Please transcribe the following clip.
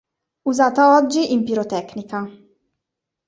Usata oggi in pirotecnica.